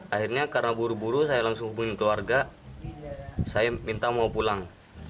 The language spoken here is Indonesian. akhirnya karena buru buru saya langsung hubungin keluarga saya minta mau pulang